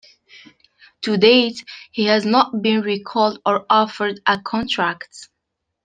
To date, he has not been recalled or offered a contract.